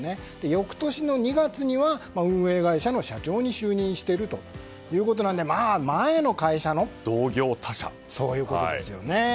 翌年の２月には運営会社の社長に就任しているので前の会社の同業他社ということですよね。